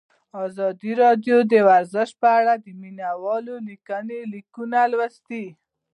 ازادي راډیو د ورزش په اړه د مینه والو لیکونه لوستي.